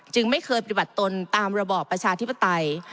ไม่เคยปฏิบัติตนตามระบอบประชาธิปไตย